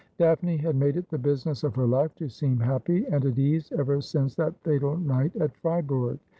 Daphne had made it the business of her life to seem happy and at ease ever since that fatal night at Fribourg.